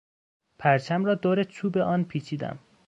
پرچم را دور چوب آن پیچیدم.